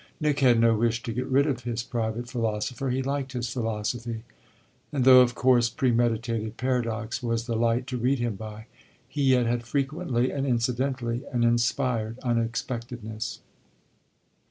Nick had no wish to get rid of his private philosopher; he liked his philosophy, and though of course premeditated paradox was the light to read him by he yet had frequently and incidentally an inspired unexpectedness.